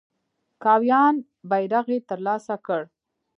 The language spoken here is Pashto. کاویان بیرغ یې تر لاسه کړ.